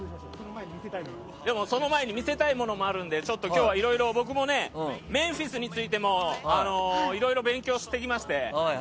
その前に見せたいものもあるのでちょっと今日はいろいろ僕もメンフィスについてもいろいろ勉強してきまして。